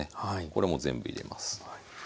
これも全部入れます。